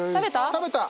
食べた？